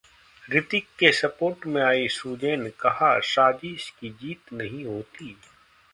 रितिक के सपोर्ट में आईं सुजैन, कहा- साजिश की जीत नहीं होती